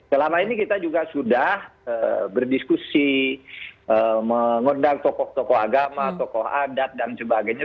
selama ini kita juga sudah berdiskusi mengundang tokoh tokoh agama tokoh adat dan sebagainya